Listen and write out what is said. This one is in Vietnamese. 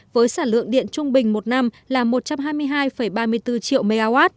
với sản lượng điện trung bình một năm là một trăm hai mươi hai ba mươi bốn triệu mw